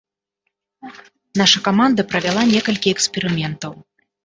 Наша каманда правяла некалькі эксперыментаў.